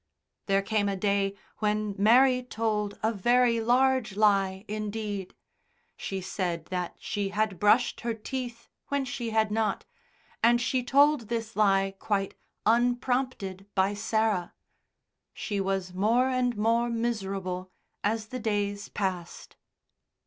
There came a day when Mary told a very large lie indeed; she said that she had brushed her teeth when she had not, and she told this lie quite unprompted by Sarah. She was more and more miserable as the days passed.